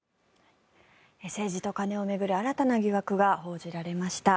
政治と金を巡る新たな疑惑が報じられました。